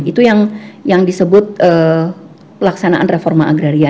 itu yang disebut pelaksanaan reforma agraria